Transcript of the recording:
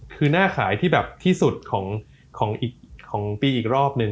คือหน้าขายที่แบบที่สุดของปีอีกรอบหนึ่ง